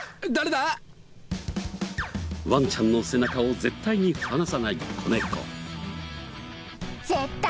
ワンちゃんの背中を絶対に離さない子猫。